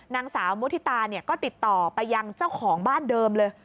นางสาวมุฒิตาเนี่ยก็ติดต่อไปยังเจ้าของบ้านเดิมเลย